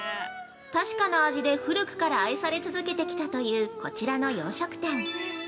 確かな味で古くから愛され続けてきたというこちらの洋食店。